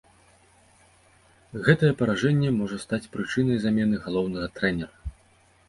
Гэтае паражэнне можа стаць прычынай замены галоўнага трэнера.